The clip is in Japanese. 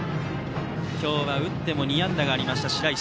今日は打っても２安打がありました白石。